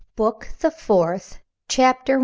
BOOK THE FOURTH. CHAPTER I.